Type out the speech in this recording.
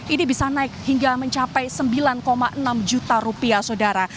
ini bisa naik hingga mencapai sembilan enam juta rupiah saudara